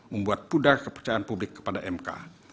membuat pudar kepercayaan publik kepada mk